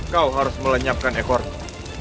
kau harus melenyapkan ekormu